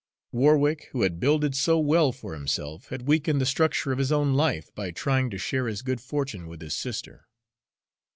Warwick, who had builded so well for himself, had weakened the structure of his own life by trying to share his good fortune with his sister.